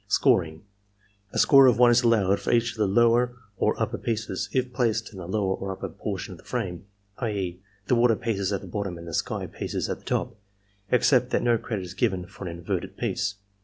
Scoring. — ^A score of one is allowed for each of the lower or upper pieces, if placed in the lower or upper portion of the frame, i. e., the "water" pieces at the bottom and the "sky" pieces at the top, except that no credit is given for an inverted piece.